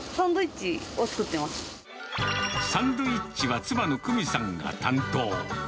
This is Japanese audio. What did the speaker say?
サンドイッチは妻の久美さんが担当。